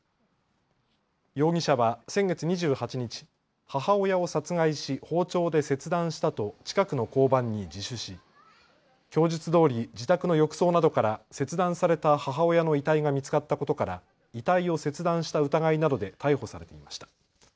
容疑者は先月２８日、母親を殺害し包丁で切断したと近くの交番に自首し供述どおり自宅の浴槽などから切断された母親の遺体が見つかったことから遺体を切断した疑いなどで逮捕されていました。